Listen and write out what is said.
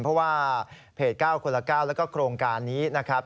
เพราะว่าเพจ๙คนละ๙แล้วก็โครงการนี้นะครับ